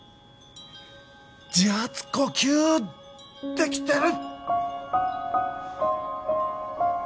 自発呼吸できてる！